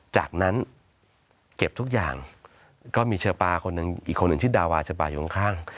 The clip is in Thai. จากนั้นเก็บทุกอย่างก็มีเชอร์ปาอีกคนหนึ่งชื่อดาวาเชอร์ปาอยู่ข้าง